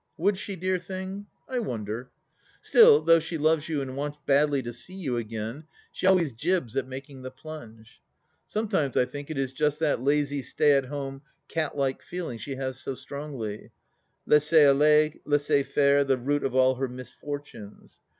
Would she, dear thing ?... I wonder !... Still, though she loves you and wants badly to see you again, she always jibs at making the plunge. Sometimes I think it is just that lazy slay at home, cat like feeling she has so strongly — laisser aller, laisser faire, the root of all her misfortunes.